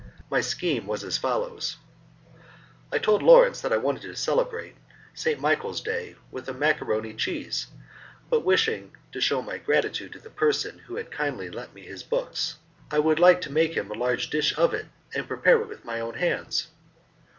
My scheme was as follows: I told Lawrence that I wanted to celebrate St. Michael's Day with a macaroni cheese; but wishing to shew my gratitude to the person who had kindly lent me his books, I should like to make him a large dish of it, and to prepare it with my own hands.